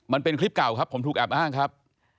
มันเป็นคลิปเก่าครับผมถูกแอบอ้างครับ